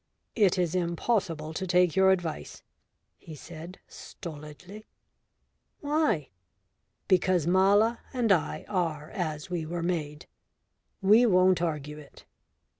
"It is impossible to take your advice," he said stolidly. "Why?" "Because Mala and I are as we were made. We won't argue it."